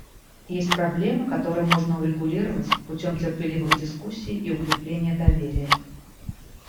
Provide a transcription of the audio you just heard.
Есть проблемы, которые можно урегулировать путем терпеливых дискуссий и укрепления доверия.